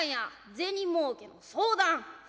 銭もうけのええ